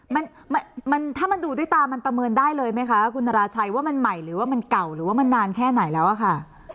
มันมันถ้ามันดูด้วยตามันประเมินได้เลยไหมคะคุณนราชัยว่ามันใหม่หรือว่ามันเก่าหรือว่ามันนานแค่ไหนแล้วอะค่ะ